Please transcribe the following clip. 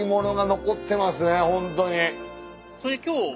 ホントに。